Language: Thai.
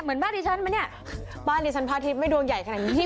เหมือนบ้านดิฉันไหมเนี่ยบ้านดิฉันพระอาทิตย์ไม่ดวงใหญ่ขนาดนี้